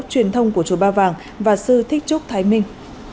truyền thông của chùa ba vàng và sư thích trúc thái minh